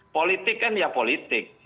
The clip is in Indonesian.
politik kan ya politik